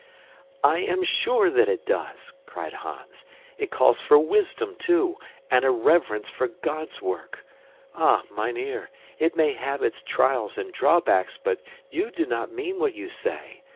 "I am sure that it does," cried Hans. "It calls for wisdom, too, and a reverence for God's work. Ah, mynheer, it may have its trials and drawbacks, but you do not mean what you say.